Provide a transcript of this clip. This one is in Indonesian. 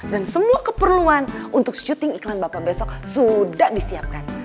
dan semua keperluan untuk syuting iklan bapak besok sudah disiapkan